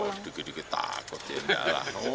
oh sedikit sedikit takut ya enggak lah